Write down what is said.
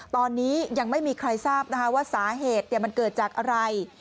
ตอนนี้ยังไม่มีใครทราบนะคะว่าสาเหตุมันเกิดจากอะไร